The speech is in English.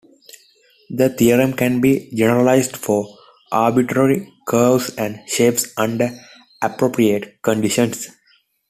The theorem can be generalized for arbitrary curves and shapes, under appropriate conditions.